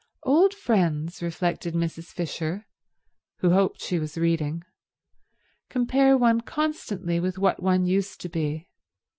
Old friends, reflected Mrs. Fisher, who hoped she was reading, compare one constantly with what one used to be.